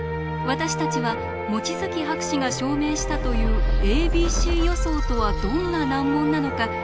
私たちは望月博士が証明したというａｂｃ予想とはどんな難問なのか